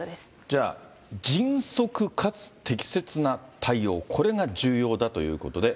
じゃあ、迅速かつ適切な対応、これが重要だということで。